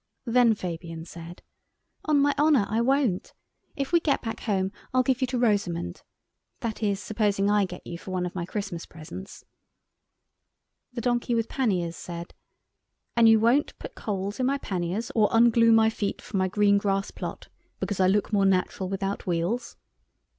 Then Fabian said: "On my honour, I won't. If we get back home I'll give you to Rosamund. That is, supposing I get you for one of my Christmas presents." The donkey with panniers said— "And you won't put coals in my panniers or unglue my feet from my green grass plot because I look more natural without wheels?"